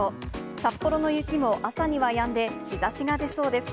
札幌の雪も朝にはやんで、日ざしが出そうです。